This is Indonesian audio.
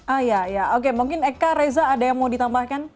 iya ya oke mungkin eka reza ada yang mau ditambahkan